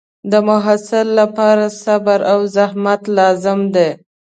د محصل لپاره صبر او زحمت لازم دی.